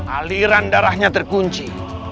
aliran darahnya terkunci